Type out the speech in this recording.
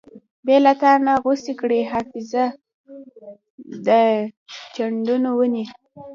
بې لتانۀ غوڅې کړې حافظه د چندڼو ونې